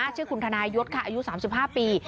ชื่อคุณธนายศค่ะอายุ๓๕ปี